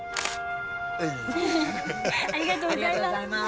ありがとうございます。